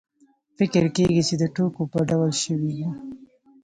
فکر کېږي چې د ټوکو په ډول شوې دي.